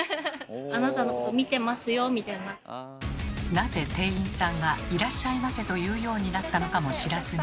なぜ店員さんが「いらっしゃいませ」と言うようになったのかも知らずに。